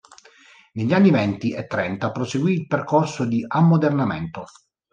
Negli anni venti e trenta proseguì il percorso di ammodernamento.